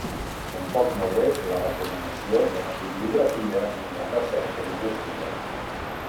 Tampoc no ho és la recomanació de bibliografia ni la recerca lingüística.